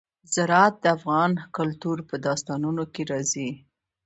زراعت د افغان کلتور په داستانونو کې راځي.